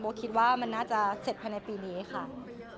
คิดว่ามันน่าจะเสร็จภายในปีนี้ค่ะ